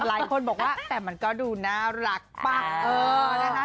หลายคนบอกว่าแต่มันก็ดูน่ารักป่ะนะคะ